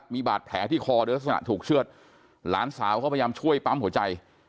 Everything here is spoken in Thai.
มีบาดแผลที่คอโดยลักษณะถูกเชื่อดหลานสาวก็พยายามช่วยปั๊มหัวใจ